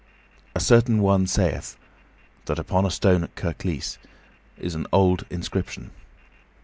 A certain one sayeth that upon a stone at Kirklees is an old inscription.